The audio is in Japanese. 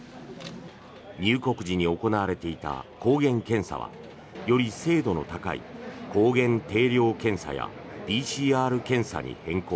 入国時に行われていた抗原検査はより精度の高い抗原定量検査やＰＣＲ検査に変更。